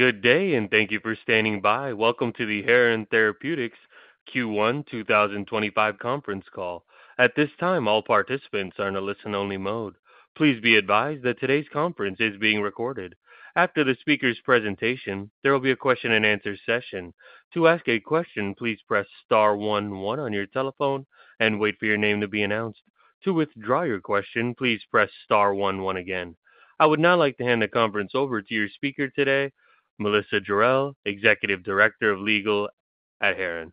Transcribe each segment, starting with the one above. Good day, and thank you for standing by. Welcome to the Heron Therapeutics Q1 2025 Conference Call. At this time, all participants are in a listen-only mode. Please be advised that today's conference is being recorded. After the speaker's presentation, there will be a question-and-answer session. To ask a question, please press star one-one on your telephone and wait for your name to be announced. To withdraw your question, please press star one-one again. I would now like to hand the conference over to your speaker today, Melissa Jarel, Executive Director of Legal at Heron.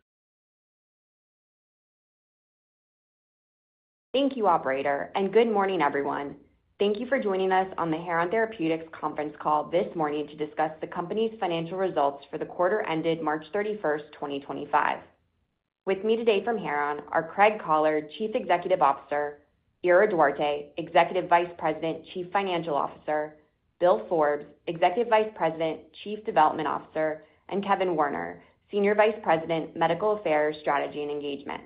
Thank you, Operator, and good morning, everyone. Thank you for joining us on the Heron Therapeutics Conference Call this morning to discuss the company's financial results for the quarter ended March 31st, 2025. With me today from Heron are Craig Collard, Chief Executive Officer; Ira Duarte, Executive Vice President, Chief Financial Officer; Bill Forbes, Executive Vice President, Chief Development Officer; and Kevin Warner, Senior Vice President, Medical Affairs, Strategy, and Engagement.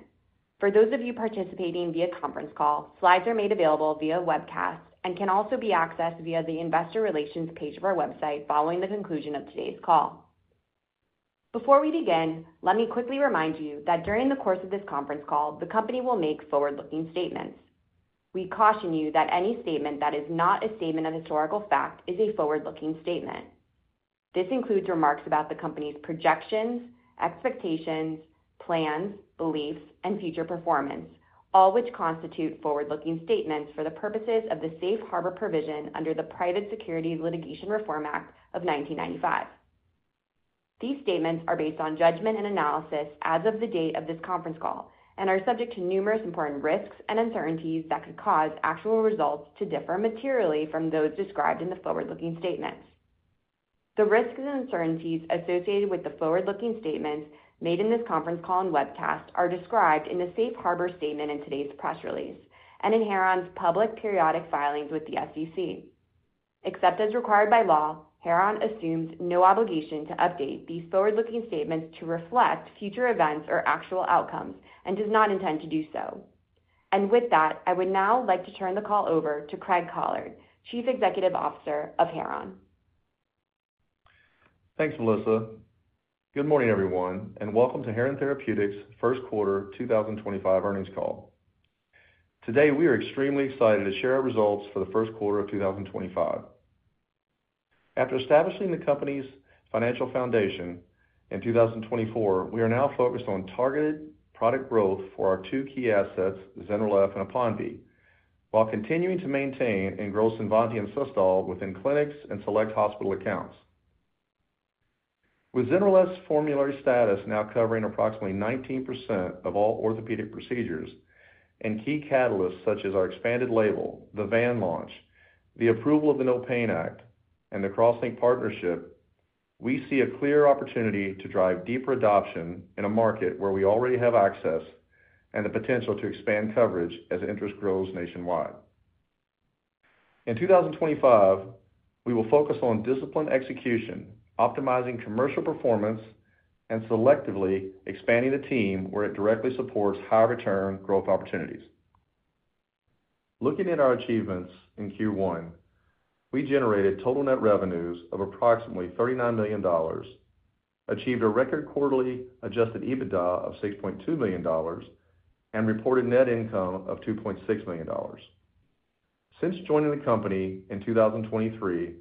For those of you participating via conference call, slides are made available via webcast and can also be accessed via the Investor Relations page of our website following the conclusion of today's call. Before we begin, let me quickly remind you that during the course of this conference call, the company will make forward-looking statements. We caution you that any statement that is not a statement of historical fact is a forward-looking statement. This includes remarks about the company's projections, expectations, plans, beliefs, and future performance, all which constitute forward-looking statements for the purposes of the Safe Harbor Provision under the Private Securities Litigation Reform Act of 1995. These statements are based on judgment and analysis as of the date of this conference call and are subject to numerous important risks and uncertainties that could cause actual results to differ materially from those described in the forward-looking statements. The risks and uncertainties associated with the forward-looking statements made in this conference call and webcast are described in the Safe Harbor Statement in today's press release and in Heron's public periodic filings with the SEC. Except as required by law, Heron assumes no obligation to update these forward-looking statements to reflect future events or actual outcomes and does not intend to do so. With that, I would now like to turn the call over to Craig Collard, Chief Executive Officer of Heron. Thanks, Melissa. Good morning, everyone, and welcome to Heron Therapeutics' First Quarter 2025 Earnings Call. Today, we are extremely excited to share our results for the first quarter of 2025. After establishing the company's financial foundation in 2024, we are now focused on targeted product growth for our two key assets, ZYNRELEF and APONVIE, while continuing to maintain and grow CINVANTI and SUSTOL within clinics and select hospital accounts. With ZYNRELEF's formulary status now covering approximately 19% of all orthopedic procedures and key catalysts such as our expanded label, the VAN launch, the approval of the NOPAIN Act, and the CrossLink partnership, we see a clear opportunity to drive deeper adoption in a market where we already have access and the potential to expand coverage as interest grows nationwide. In 2025, we will focus on discipline execution, optimizing commercial performance, and selectively expanding the team where it directly supports high return growth opportunities. Looking at our achievements in Q1, we generated total net revenues of approximately $39 million, achieved a record quarterly adjusted EBITDA of $6.2 million, and reported net income of $2.6 million. Since joining the company in 2023,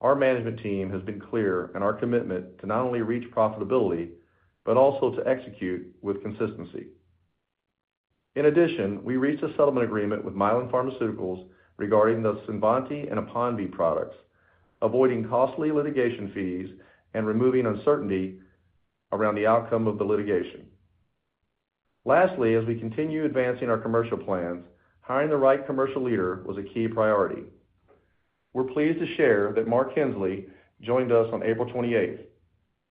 our management team has been clear in our commitment to not only reach profitability but also to execute with consistency. In addition, we reached a settlement agreement with Mylan Pharmaceuticals regarding the CINVANTI and APONVIE products, avoiding costly litigation fees and removing uncertainty around the outcome of the litigation. Lastly, as we continue advancing our commercial plans, hiring the right commercial leader was a key priority. We're pleased to share that Mark Hensley joined us on April 28.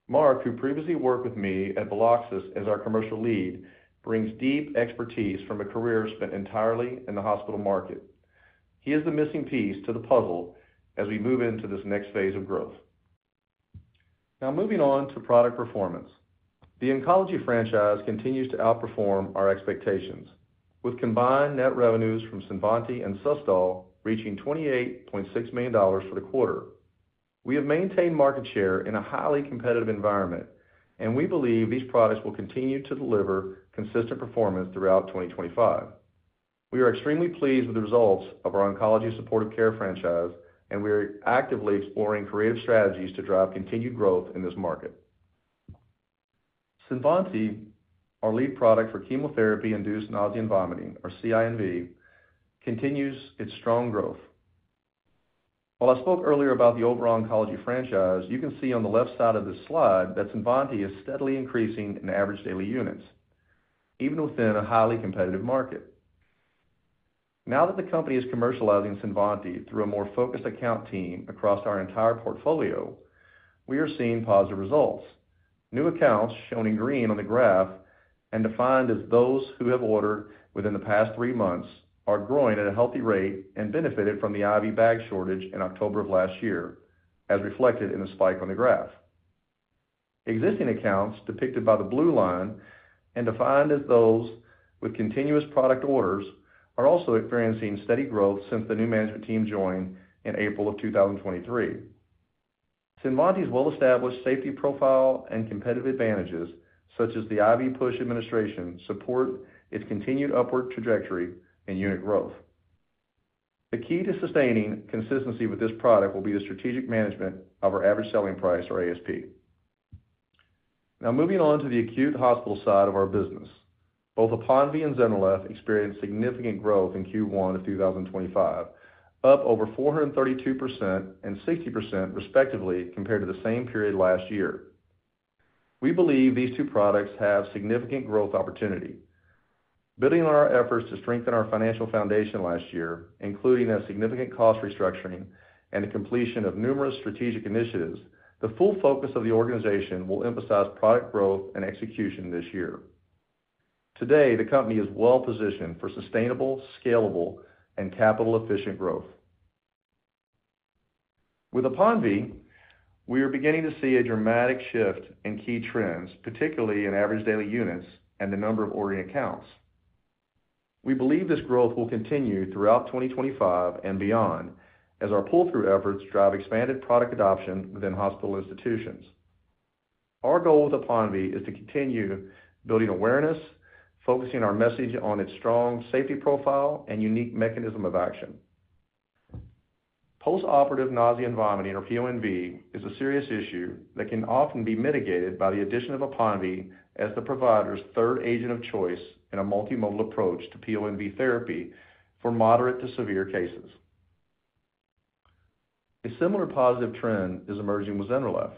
Mark, who previously worked with me at Veloxis as our commercial lead, brings deep expertise from a career spent entirely in the hospital market. He is the missing piece to the puzzle as we move into this next phase of growth. Now, moving on to product performance, the oncology franchise continues to outperform our expectations, with combined net revenues from CINVANTI and SUSTOL reaching $28.6 million for the quarter. We have maintained market share in a highly competitive environment, and we believe these products will continue to deliver consistent performance throughout 2025. We are extremely pleased with the results of our oncology supportive care franchise, and we are actively exploring creative strategies to drive continued growth in this market. CINVANTI, our lead product for Chemotherapy-induced nausea and vomiting, or CINV, continues its strong growth. While I spoke earlier about the overall oncology franchise, you can see on the left side of this slide that CINVANTI is steadily increasing in average daily units, even within a highly competitive market. Now that the company is commercializing CINVANTI through a more focused account team across our entire portfolio, we are seeing positive results. New accounts shown in green on the graph and defined as those who have ordered within the past three months are growing at a healthy rate and benefited from the IV bag shortage in October of last year, as reflected in the spike on the graph. Existing accounts depicted by the blue line and defined as those with continuous product orders are also experiencing steady growth since the new management team joined in April of 2023. CINVANTI's well-established safety profile and competitive advantages, such as the IV push administration, support its continued upward trajectory and unit growth. The key to sustaining consistency with this product will be the strategic management of our average selling price, or ASP. Now, moving on to the acute hospital side of our business, both APONVIE and ZYNRELEF experienced significant growth in Q1 of 2025, up over 432% and 60% respectively compared to the same period last year. We believe these two products have significant growth opportunity. Building on our efforts to strengthen our financial foundation last year, including a significant cost restructuring and the completion of numerous strategic initiatives, the full focus of the organization will emphasize product growth and execution this year. Today, the company is well-positioned for sustainable, scalable, and capital-efficient growth. With APONVIE, we are beginning to see a dramatic shift in key trends, particularly in average daily units and the number of ordering accounts. We believe this growth will continue throughout 2025 and beyond as our pull-through efforts drive expanded product adoption within hospital institutions. Our goal with APONVIE is to continue building awareness, focusing our message on its strong safety profile and unique mechanism of action. Post-operative nausea and vomiting, or PONV, is a serious issue that can often be mitigated by the addition of APONVIE as the provider's third agent of choice in a multimodal approach to PONV therapy for moderate to severe cases. A similar positive trend is emerging with ZYNRELEF.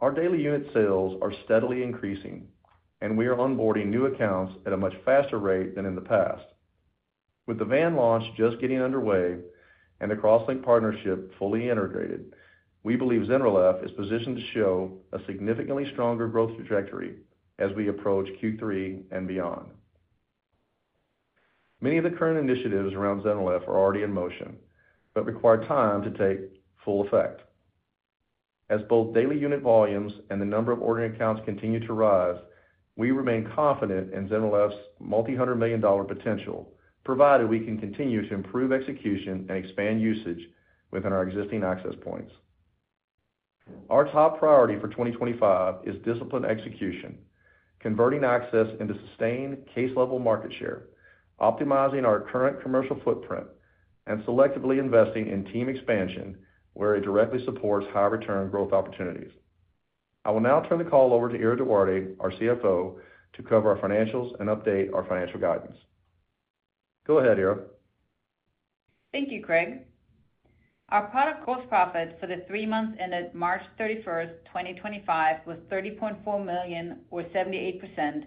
Our daily unit sales are steadily increasing, and we are onboarding new accounts at a much faster rate than in the past. With the VAN launch just getting underway and the CrossLink partnership fully integrated, we believe ZYNRELEF is positioned to show a significantly stronger growth trajectory as we approach Q3 and beyond. Many of the current initiatives around ZYNRELEF are already in motion, but require time to take full effect. As both daily unit volumes and the number of ordering accounts continue to rise, we remain confident in ZYNRELEF's multi-hundred million dollar potential, provided we can continue to improve execution and expand usage within our existing access points. Our top priority for 2025 is disciplined execution, converting access into sustained case-level market share, optimizing our current commercial footprint, and selectively investing in team expansion where it directly supports high return growth opportunities. I will now turn the call over to Ira Duarte, our CFO, to cover our financials and update our financial guidance. Go ahead, Ira. Thank you, Craig. Our product gross profit for the three months ended March 31st, 2025, was $30.4 million, or 78%,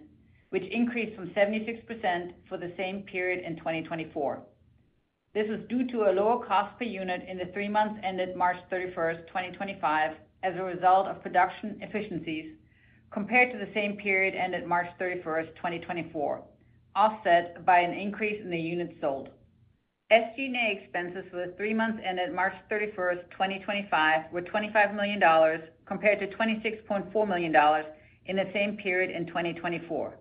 which increased from 76% for the same period in 2024. This was due to a lower cost per unit in the three months ended March 31st, 2025, as a result of production efficiencies compared to the same period ended March 31st, 2024, offset by an increase in the units sold. SG&A expenses for the three months ended March 31st, 2025, were $25 million compared to $26.4 million in the same period in 2024.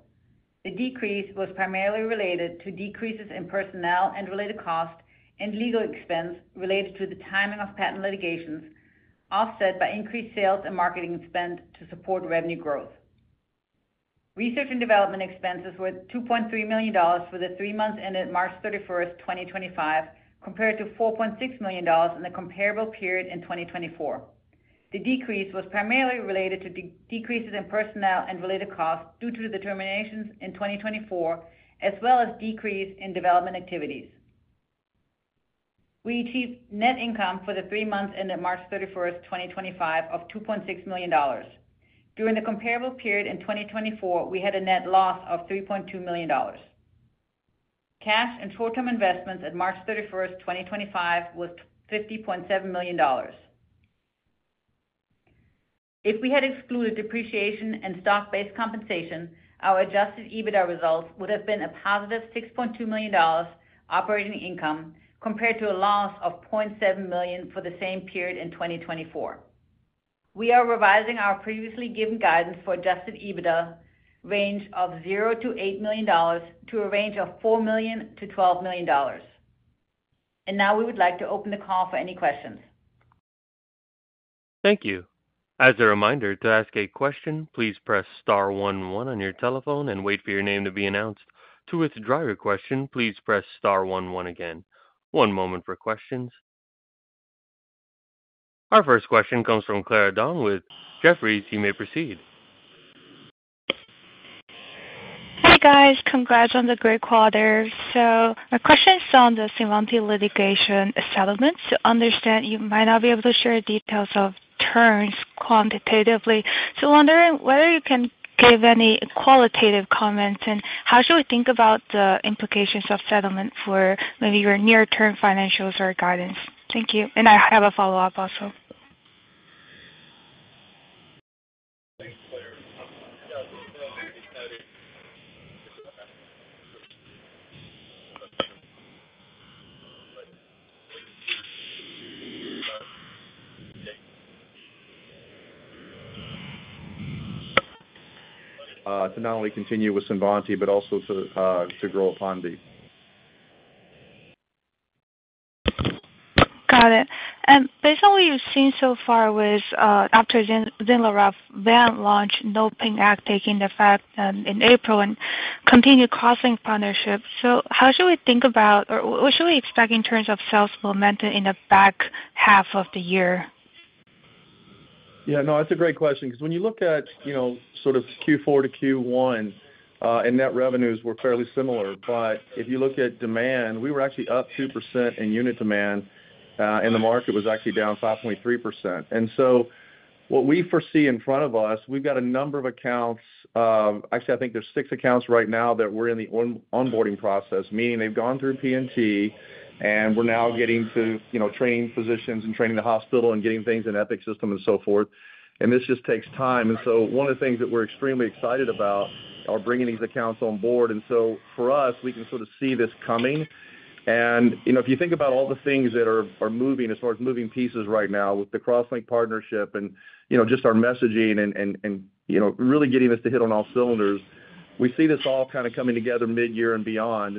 The decrease was primarily related to decreases in personnel and related costs and legal expense related to the timing of patent litigations, offset by increased sales and marketing spend to support revenue growth. Research and development expenses were $2.3 million for the three months ended March 31st, 2025, compared to $4.6 million in the comparable period in 2024. The decrease was primarily related to decreases in personnel and related costs due to the terminations in 2024, as well as decrease in development activities. We achieved net income for the three months ended March 31st, 2025, of $2.6 million. During the comparable period in 2024, we had a net loss of $3.2 million. Cash and short-term investments at March 31st, 2025, was $50.7 million. If we had excluded depreciation and stock-based compensation, our adjusted EBITDA results would have been a +$6.2 million operating income compared to a loss of $0.7 million for the same period in 2024. We are revising our previously given guidance for adjusted EBITDA range of $0 million-$8 million to a range of $4 million-$12 million. We would like to open the call for any questions. Thank you. As a reminder, to ask a question, please press star one-one on your telephone and wait for your name to be announced. To withdraw your question, please press star one-one again. One moment for questions. Our first question comes from Clara Dong with Jefferies. You may proceed. Hey, guys. Congrats on the great quarter. My question is on the CINVANTI litigation settlement. To understand, you might not be able to share details of terms quantitatively. I am wondering whether you can give any qualitative comments and how should we think about the implications of settlement for maybe your near-term financials or guidance. Thank you. I have a follow-up also. To not only continue with CINVANTI, but also to grow APONVIE. Got it. And based on what you've seen so far with, after ZYNRELEF, VAN launch, NOPAIN Act taking effect in April, and continued CrossLink partnership, how should we think about, or what should we expect in terms of sales momentum in the back half of the year? Yeah, no, that's a great question. Because when you look at sort of Q4 to Q1, and net revenues were fairly similar. If you look at demand, we were actually up 2% in unit demand, and the market was actually down 5.3%. What we foresee in front of us, we've got a number of accounts. Actually, I think there's six accounts right now that we're in the onboarding process, meaning they've gone through P&T, and we're now getting to training positions and training the hospital and getting things in Epic system and so forth. This just takes time. One of the things that we're extremely excited about are bringing these accounts on board. For us, we can sort of see this coming. If you think about all the things that are moving as far as moving pieces right now with the CrossLink partnership and just our messaging and really getting this to hit on all cylinders, we see this all kind of coming together mid-year and beyond.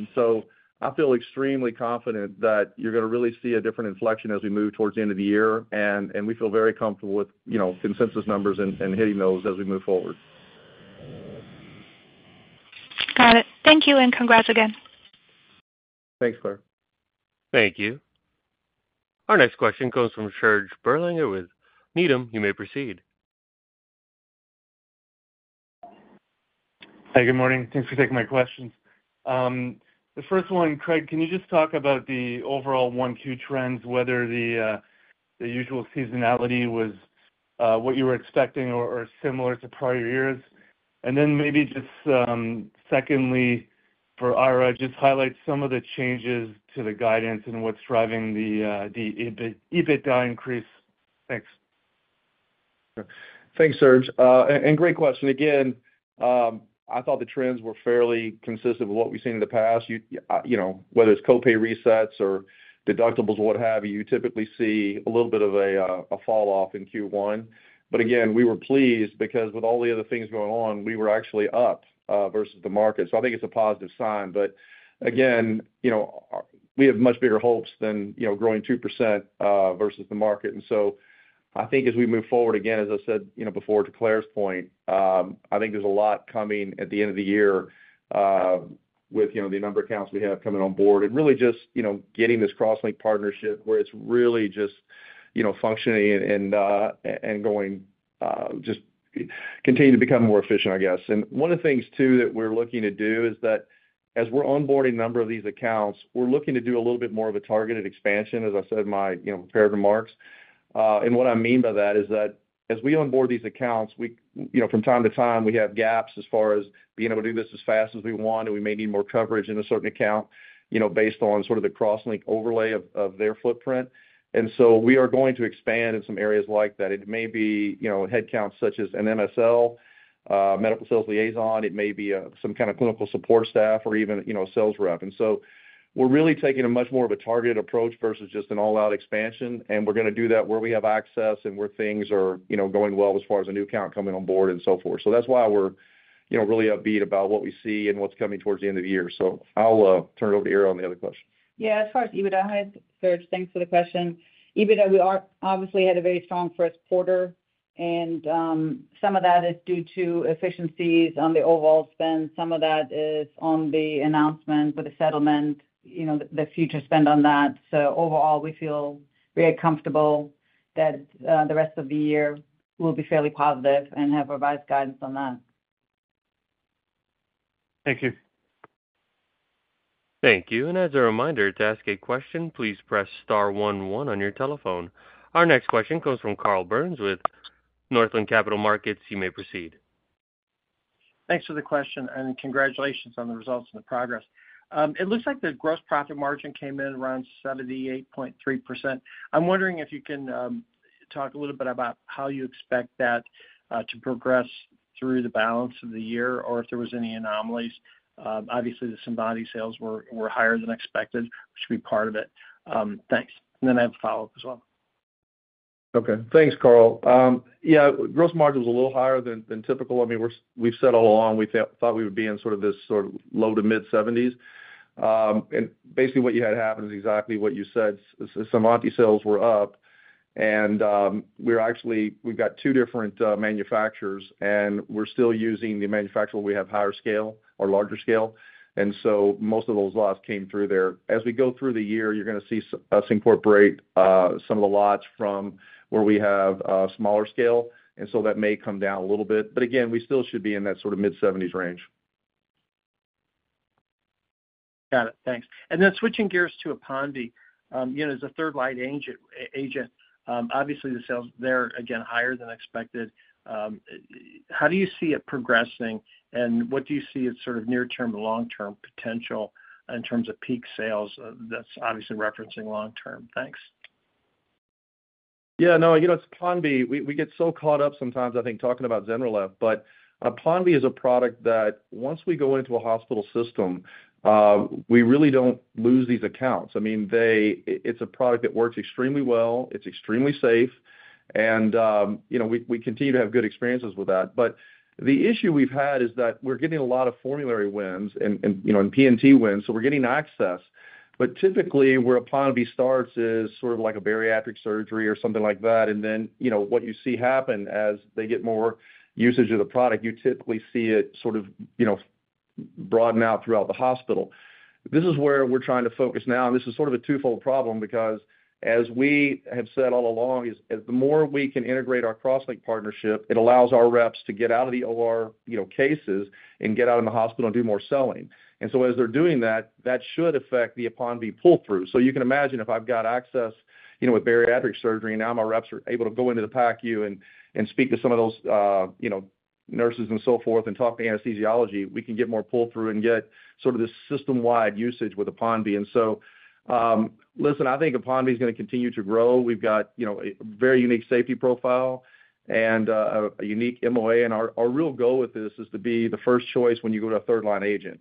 I feel extremely confident that you're going to really see a different inflection as we move towards the end of the year. We feel very comfortable with consensus numbers and hitting those as we move forward. Got it. Thank you and congrats again. Thanks, Clara. Thank you. Our next question comes from Serge Belanger with Needham. You may proceed. Hi, good morning. Thanks for taking my questions. The first one, Craig, can you just talk about the overall 1Q trends, whether the usual seasonality was what you were expecting or similar to prior years? Then maybe just secondly, for Ira, just highlight some of the changes to the guidance and what's driving the EBITDA increase. Thanks. Thanks, Serge. Great question. Again, I thought the trends were fairly consistent with what we've seen in the past. Whether it's copay resets or deductibles or what have you, you typically see a little bit of a falloff in Q1. Again, we were pleased because with all the other things going on, we were actually up versus the market. I think it's a positive sign. Again, we have much bigger hopes than growing 2% versus the market. I think as we move forward, as I said before to Clara's point, I think there's a lot coming at the end of the year with the number of accounts we have coming on board and really just getting this CrossLink partnership where it's really just functioning and going to just continue to become more efficient, I guess. One of the things too that we're looking to do is that as we're onboarding a number of these accounts, we're looking to do a little bit more of a targeted expansion, as I said in my prepared remarks. What I mean by that is that as we onboard these accounts, from time to time, we have gaps as far as being able to do this as fast as we want, and we may need more coverage in a certain account based on sort of the CrossLink overlay of their footprint. We are going to expand in some areas like that. It may be headcounts such as an MSL, Medical Science Liaison. It may be some kind of clinical support staff or even a sales rep. We are really taking a much more of a targeted approach versus just an all-out expansion. We're going to do that where we have access and where things are going well as far as a new account coming on board and so forth. That's why we're really upbeat about what we see and what's coming towards the end of the year. I'll turn it over to Ira on the other question. Yeah, as far as EBITDA, hi, Serge. Thanks for the question. EBITDA, we obviously had a very strong first quarter. Some of that is due to efficiencies on the overall spend. Some of that is on the announcement for the settlement, the future spend on that. Overall, we feel very comfortable that the rest of the year will be fairly positive and have revised guidance on that. Thank you. Thank you. As a reminder, to ask a question, please press star one-one on your telephone. Our next question comes from Carl Burns with Northland Capital Markets. You may proceed. Thanks for the question. And congratulations on the results and the progress. It looks like the gross profit margin came in around 78.3%. I'm wondering if you can talk a little bit about how you expect that to progress through the balance of the year or if there were any anomalies. Obviously, the CINVANTI sales were higher than expected, which would be part of it. Thanks. And then I have a follow-up as well. Okay. Thanks, Carl. Yeah, gross margin was a little higher than typical. I mean, we've said all along we thought we would be in sort of this sort of low to mid-70s. I mean, basically what you had happen is exactly what you said. CINVANTI sales were up. And we've got two different manufacturers, and we're still using the manufacturer where we have higher scale or larger scale. Most of those lots came through there. As we go through the year, you're going to see us incorporate some of the lots from where we have smaller scale. That may come down a little bit. Again, we still should be in that sort of mid-70s range. Got it. Thanks. Then switching gears to APONVIE, as a third-line agent, obviously the sales there, again, higher than expected. How do you see it progressing? What do you see as sort of near-term and long-term potential in terms of peak sales? That is obviously referencing long-term. Thanks. Yeah, no, it's APONVIE. We get so caught up sometimes, I think, talking about ZYNRELEF. But APONVIE is a product that once we go into a hospital system, we really don't lose these accounts. I mean, it's a product that works extremely well. It's extremely safe. And we continue to have good experiences with that. But the issue we've had is that we're getting a lot of formulary wins and P&T wins. So we're getting access. But typically, where APONVIE starts is sort of like a bariatric surgery or something like that. And then what you see happen as they get more usage of the product, you typically see it sort of broaden out throughout the hospital. This is where we're trying to focus now. This is sort of a twofold problem because as we have said all along, the more we can integrate our CrossLink partnership, it allows our reps to get out of the OR cases and get out in the hospital and do more selling. As they're doing that, that should affect the APONVIE pull-through. You can imagine if I've got access with bariatric surgery and now my reps are able to go into the PACU and speak to some of those nurses and so forth and talk to anesthesiology, we can get more pull-through and get sort of this system-wide usage with APONVIE. Listen, I think APONVIE is going to continue to grow. We've got a very unique safety profile and a unique MOA. Our real goal with this is to be the first choice when you go to a third-line agent.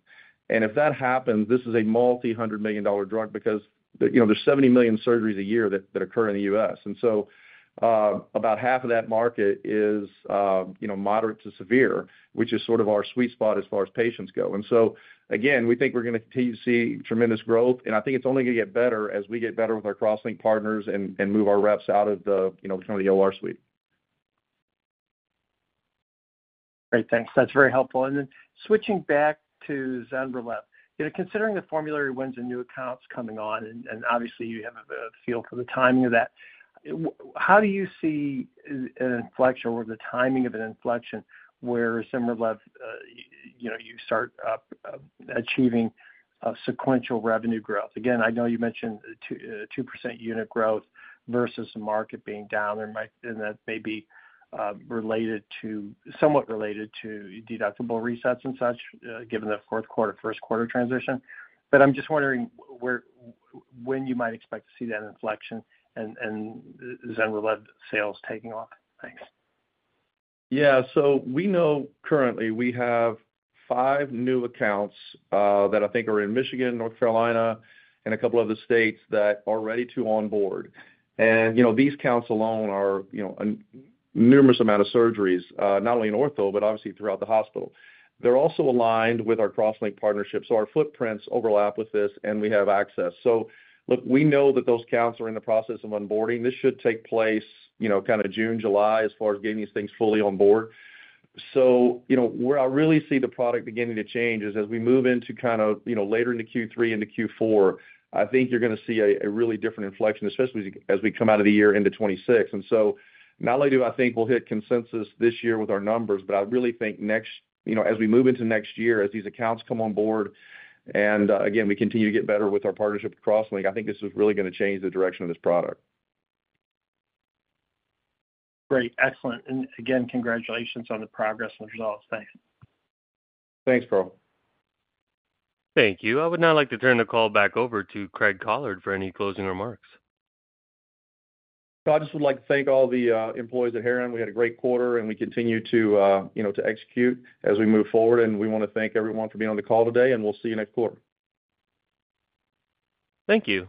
If that happens, this is a multi-hundred million dollar drug because there are 70 million surgeries a year that occur in the U.S. About half of that market is moderate to severe, which is sort of our sweet spot as far as patients go. We think we are going to continue to see tremendous growth. I think it is only going to get better as we get better with our CrossLink partners and move our reps out of the OR suite. Great. Thanks. That's very helpful. Then switching back to ZYNRELEF, considering the formulary wins and new accounts coming on, and obviously you have a feel for the timing of that, how do you see an inflection or the timing of an inflection where ZYNRELEF, you start achieving sequential revenue growth? Again, I know you mentioned 2% unit growth versus the market being down. That may be somewhat related to deductible resets and such given the fourth quarter, first quarter transition. I'm just wondering when you might expect to see that inflection and ZYNRELEF sales taking off. Thanks. Yeah. So we know currently we have five new accounts that I think are in Michigan, North Carolina, and a couple of other states that are ready to onboard. And these accounts alone are a numerous amount of surgeries, not only in ortho but obviously throughout the hospital. They're also aligned with our CrossLink partnership. So our footprints overlap with this and we have access. Look, we know that those accounts are in the process of onboarding. This should take place kind of June, July as far as getting these things fully on board. Where I really see the product beginning to change is as we move into kind of later into Q3 into Q4, I think you're going to see a really different inflection, especially as we come out of the year into 2026. Not only do I think we'll hit consensus this year with our numbers, but I really think as we move into next year, as these accounts come on board, and again, we continue to get better with our partnership with CrossLink, I think this is really going to change the direction of this product. Great. Excellent. Again, congratulations on the progress and the results. Thanks. Thanks, Carl. Thank you. I would now like to turn the call back over to Craig Collard for any closing remarks. I just would like to thank all the employees at Heron. We had a great quarter and we continue to execute as we move forward. We want to thank everyone for being on the call today. We will see you next quarter. Thank you.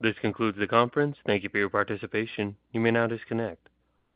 This concludes the conference. Thank you for your participation. You may now disconnect.